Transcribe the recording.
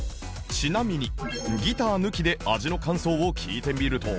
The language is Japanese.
ちなみにギター抜きで味の感想を聞いてみると